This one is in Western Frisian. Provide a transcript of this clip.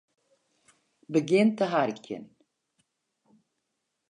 Begjin te harkjen.